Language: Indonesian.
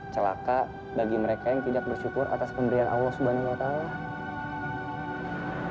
celaka bagi mereka yang tidak bersyukur atas pemberian allah subhanahu wa ta'ala